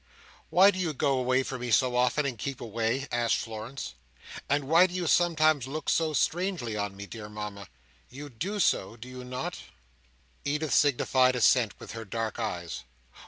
"Why do you go away from me so often, and keep away?" asked Florence. "And why do you sometimes look so strangely on me, dear Mama? You do so, do you not?" Edith signified assent with her dark eyes.